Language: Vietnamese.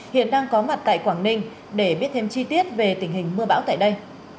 hiện đang có mặt tại quảng ninh để biết thêm chi tiết về tình hình mưa bão tại đây